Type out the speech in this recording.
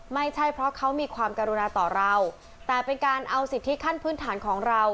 ไม่ใช่เพราะเขามีความกรุณาต่อเราแต่เป็นการเอาสิทธิขั้นพื้นฐานของเรา